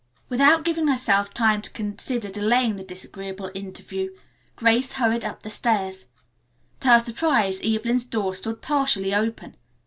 Without giving herself time to consider delaying the disagreeable interview, Grace hurried up the stairs. To her surprise Evelyn's door stood partially open.